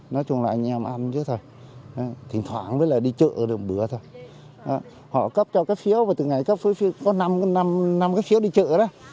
nói chung là anh em ăn chứ thôi thỉnh thoảng với là đi chợ được một bữa thôi họ cấp cho cái phiếu và từ ngày cấp có năm cái phiếu đi chợ đó